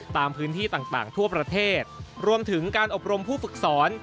ตามพื้นที่ต่างทั่วประเทศรวมถึงการอบรมผู้ฝึกสอน